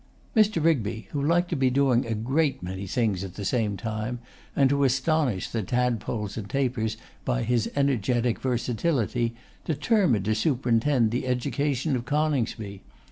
Mr. Rigby, who liked to be doing a great many things at the same time, and to astonish the Tadpoles and Tapers with his energetic versatility, determined to superintend the education of Coningsby.